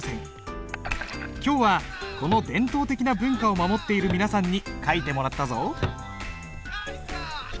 今日はこの伝統的な文化を守っている皆さんに書いてもらったぞ。